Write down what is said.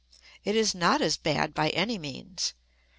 It is not as bad, by any means.